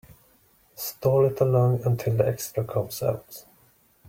Stall it along until the extra comes out.